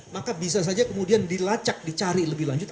maka bisa saja kemudian dilacak dicari lebih lanjut